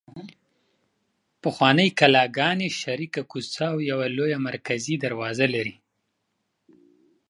پخوانۍ کلاګانې شریکه کوڅه او یوه لویه مرکزي دروازه لري.